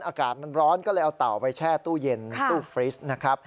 อากาศมันร้อนก็เลยเอาเต่าไปแช่ตู้เย็นตู้ฟริสนะครับ